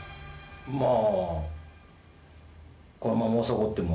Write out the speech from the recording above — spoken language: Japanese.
まあ。